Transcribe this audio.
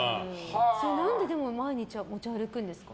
何で毎日持ち歩くんですか？